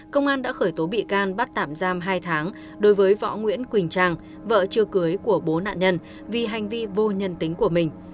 công an đã khởi tố bị can bắt tạm giam hai tháng đối với võ nguyễn quỳnh trang vợ chiêu cưới của bố nạn nhân vì hành vi vô nhân tính của mình